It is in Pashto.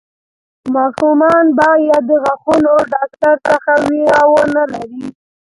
ماشومان باید د غاښونو د ډاکټر څخه وېره ونه لري.